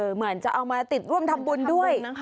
เหมือนจะเอามาติดร่วมทำบุญด้วย